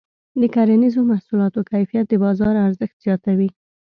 د کرنیزو محصولاتو کیفیت د بازار ارزښت زیاتوي.